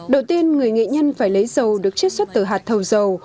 đầu tiên người nghệ nhân phải lấy dầu được chiết xuất từ hạt thầu dầu